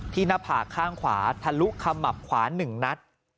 หน้าผากข้างขวาทะลุขมับขวา๑นัด